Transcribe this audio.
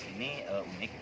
manggis ini unik